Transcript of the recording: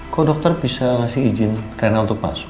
kok dokter bisa ngasih izin rena untuk masuk